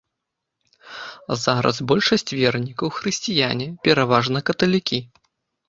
Зараз большасць вернікаў хрысціяне, пераважна каталікі.